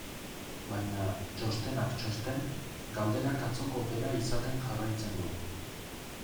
Baina, txostenak txosten, galderak atzoko bera izaten jarraitzen du.